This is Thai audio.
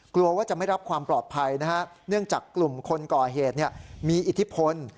กลัวว่าจะไม่รับความปลอดภัยนะฮะเนื่องจากกลุ่มคนก่อเหตุมีอิทธิพล